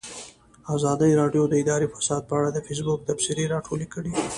ازادي راډیو د اداري فساد په اړه د فیسبوک تبصرې راټولې کړي.